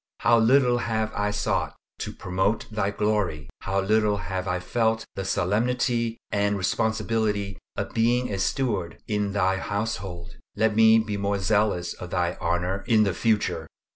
How little have I sought to promote Thy glory. How little have I felt the solemnity and responsibility of being a steward in Thy household! Let me be more zealous for Thy honor in the future.